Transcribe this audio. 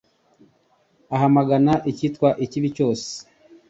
ahamagana icyitwa ikibi cyose